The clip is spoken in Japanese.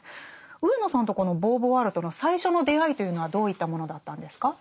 上野さんとこのボーヴォワールとの最初の出会いというのはどういったものだったんですか？